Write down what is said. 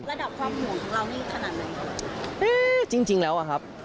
ระดับความห่วงของเรานี่ขนาดไหนครับจริงจริงแล้วอ่ะครับ